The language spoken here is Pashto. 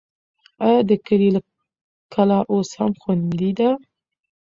آیا د کلي کلا اوس هم خوندي ده؟